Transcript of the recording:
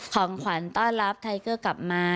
ของขวัญต้อนรับไทเกอร์กลับมา